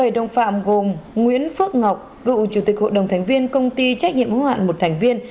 bảy đồng phạm gồm nguyễn phước ngọc cựu chủ tịch hội đồng thánh viên công ty trách nhiệm hữu hạn một thành viên